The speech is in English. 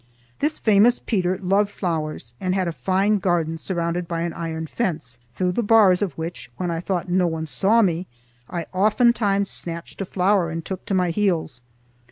This famous Peter loved flowers and had a fine garden surrounded by an iron fence, through the bars of which, when I thought no one saw me, I oftentimes snatched a flower and took to my heels.